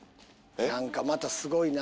何かまたすごいな。